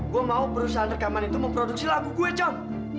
gue mau perusahaan rekaman itu memproduksi lagu gue jam